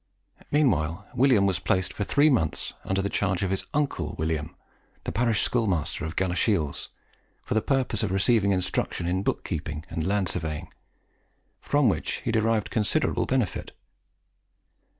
Meanwhile William was placed for three months under the charge of his uncle William, the parish schoolmaster of Galashiels, for the purpose of receiving instruction in book keeping and land surveying, from which he derived considerable benefit.